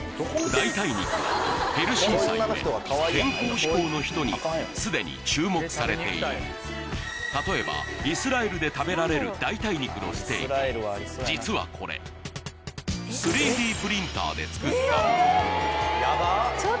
代替肉はヘルシーさ故健康志向の人にすでに注目されている例えばイスラエルで食べられる代替肉のステーキ実はこれで作ったもの